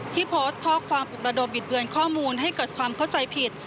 โพสต์ข้อความปลุกระดมบิดเบือนข้อมูลให้เกิดความเข้าใจผิด